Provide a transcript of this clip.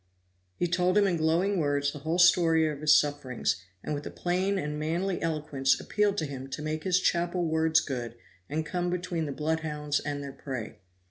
He told him in glowing words the whole story of his sufferings; and with a plain and manly eloquence appealed to him to make his chapel words good and come between the bloodhounds and their prey.